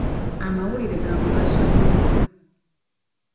Amawulire ga mugaso nnyo.